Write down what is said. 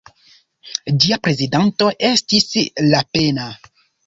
Ĝia prezidanto estis Lapenna.